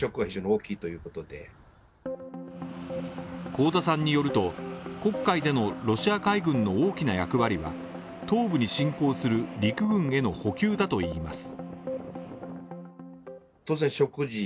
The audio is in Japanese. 香田さんによると、国会でのロシア海軍の大きな役割は、東部に侵攻する陸軍への補給だといいます。